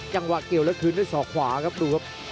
จังหวะเกี่ยวแล้วคืนด้วยศอกขวาครับดูครับ